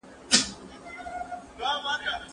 هغه یو هوښیار، کاردان او ډېر دولتمند سړی و.